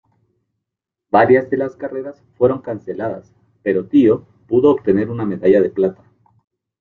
Varias de las carreras fueron canceladas, pero Tio pudo obtener una medalla de plata.